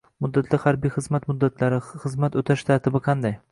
Muddatli harbiy xizmat muddatlari, xizmat o‘tash tartibi qanday?